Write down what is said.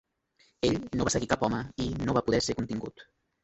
Ell "no va seguir cap home" i "no va poder ser contingut".